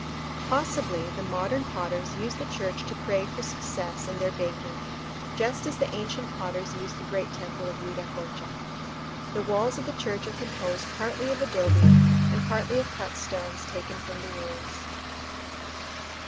Possibly the modern potters use the church to pray for success in their baking, just as the ancient potters used the great temple of Viracocha. The walls of the church are composed partly of adobe and partly of cut stones taken from the ruins.